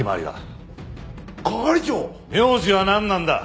名字はなんなんだ！？